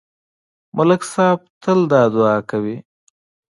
ملک صاحب تل دا دعا کوي.